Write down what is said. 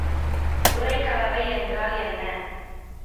உறைகலவை என்றால் என்ன?